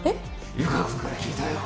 湯川君から聞いたよ。